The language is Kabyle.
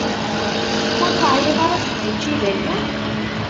Ur teεyiḍ ara seg učči dayi?